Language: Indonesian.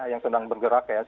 yang sedang bergerak ya